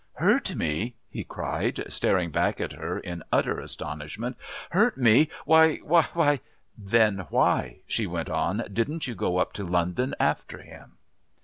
"Hurt me?" he cried, staring back at her in utter astonishment. "Hurt me? Why why " "Then why," she went on, "didn't you go up to London after him?"